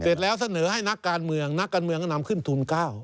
เสร็จแล้วเสนอให้นักการเมืองนักการเมืองก็นำขึ้นทุน๙